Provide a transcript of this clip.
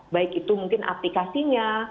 baik itu mungkin aplikasinya